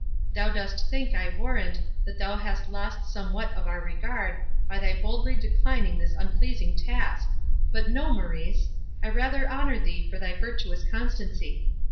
Thou dost think, I warrant, that thou hast lost somewhat of our regard, by thy boldly declining this unpleasing task—But no, Maurice! I rather honour thee for thy virtuous constancy.